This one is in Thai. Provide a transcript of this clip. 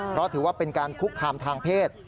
เพราะถือว่าเป็นการคุกคามทางเพศ